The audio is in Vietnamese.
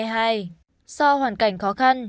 do hoàn cảnh khó khăn